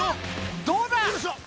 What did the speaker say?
どうだ！？